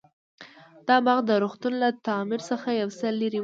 دا باغ د روغتون له تعمير څخه يو څه لرې و.